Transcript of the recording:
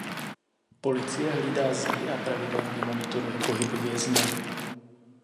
Policie hlídá zdi a pravidelně monitoruje pohyb vězňů.